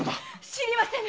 知りませぬ！